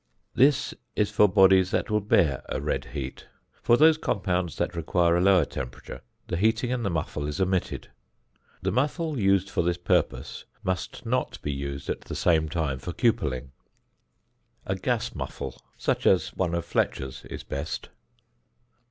This is for bodies that will bear a red heat; for those compounds that require a lower temperature the heating in the muffle is omitted. The muffle used for this purpose must not be used at the same time for cupelling; a gas muffle (fig. 22), such as one of Fletcher's, is best.